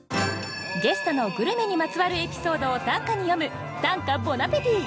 ゲストのグルメにまつわるエピソードを短歌に詠む「短歌ボナペティ」。